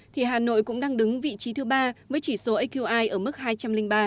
thì hà nội cũng đang đứng vị trí thứ ba với chỉ số aqi ở mức hai trăm linh ba